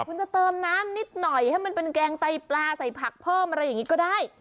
คุณจะเติมน้ำนิดหน่อยให้มันเป็นแกงไตปลาใส่ผักเพิ่มอะไรอย่างนี้ก็ได้